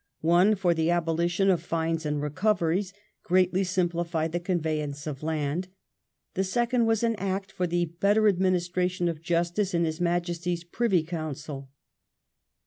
One, for the abolition of fines and recoveries, greatly simplified the conveyance of land ; the second was an Act " for the better administration of justice in His Majesty's Privy Council